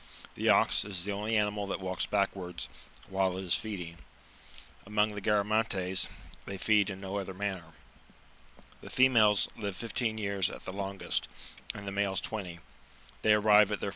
The ox is the only animal that walks back wards while it is feeding ; among the Garamantes, they feed in no other manner.^^ The females live fifteen years at the longest, and the males twenty ; they arrive at their fuU vigour in their fifth year.